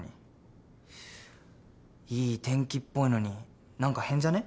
いい天気っぽいのに何か変じゃね？